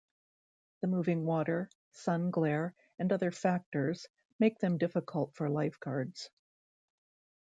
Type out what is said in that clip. The moving water, sun glare, and other factors make them difficult for lifeguards.